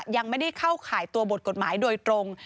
ยังไม่ได้เข้าข่ายตัวบทกฎหมายโดยตรง